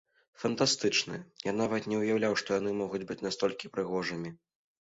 Фантастычныя, я нават не ўяўляў, што яны могуць быць настолькі прыгожымі.